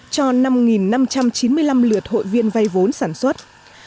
cho năm năm trăm chín mươi năm lượt hội viên vay vốn sản xuất